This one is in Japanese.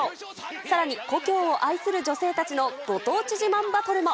さらに故郷を愛する女性たちのご当地自慢バトルも。